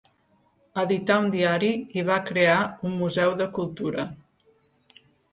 Edità un diari i va crear un Museu de Cultura.